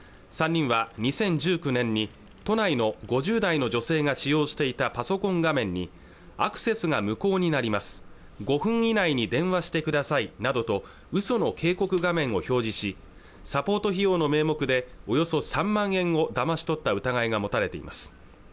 ３人は２０１９年に都内の５０代の女性が使用していたパソコン画面にアクセスが無効になります５分以内に電話してくださいなどと嘘の警告画面を表示しサポート費用の名目でおよそ３万円をだまし取った疑いが持たれています